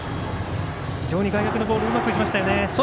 非常に外角のボールうまく打ちましたよね。